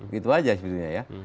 gitu aja sebetulnya ya